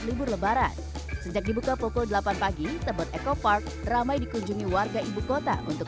libur lebaran sejak dibuka pukul delapan pagi tebet eco park ramai dikunjungi warga ibu kota untuk